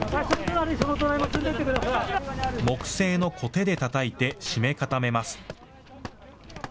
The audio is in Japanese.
木製のこてでたたいて締め固めます。